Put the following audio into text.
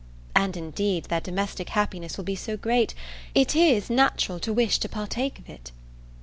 And, indeed, their domestic happiness will be so great, it is natural to wish to partake of it.